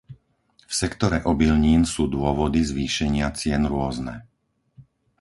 V sektore obilnín sú dôvody zvýšenia cien rôzne.